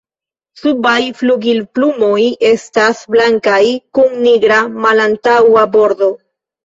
La subaj flugilplumoj estas blankaj kun nigra malantaŭa bordo.